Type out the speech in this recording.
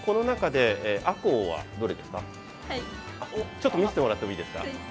ちょっと見してもらってもいいですか？